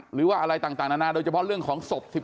หรือว่าอะไรต่างนานาโดยเฉพาะเรื่องของศพ